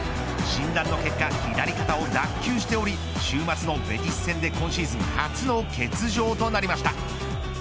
診断の結果左肩を脱きゅうしており週末のベティス戦で今シーズン初の欠場となりました。